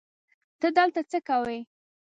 ته دلته څه کوې؟